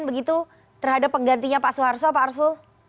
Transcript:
begitu terhadap penggantinya pak suharto pak arsu